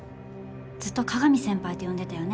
ずっと「鏡先輩」って呼んでたよね